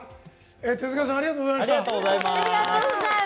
手塚さんありがとうございました。